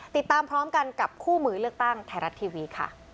ติดตามพร้อมกันกับคู่มือเลือกตั้งไทยรัฐทีวีค่ะ